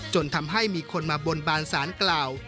จนทำให้มีคนมาบนบานสารกล่าว